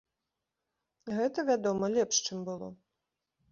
Гэта, вядома, лепш, чым было.